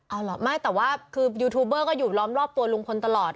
เอาเหรอไม่แต่ว่าคือยูทูบเบอร์ก็อยู่ล้อมรอบตัวลุงพลตลอด